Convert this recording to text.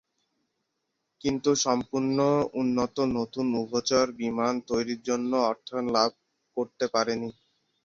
কিন্তু সম্পূর্ণ উন্নত নতুন উভচর বিমান তৈরির জন্য অর্থায়ন লাভ করতে পারেনি।